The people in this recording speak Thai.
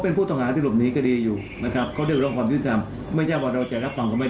ให้พฤติธรรมนั้นได้มีส่วนในการทำความผิดจริงหรือไม่